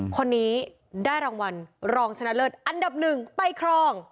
คนนี้ได้รางวัลรองชนะเลิศอันดับหนึ่งไปครอง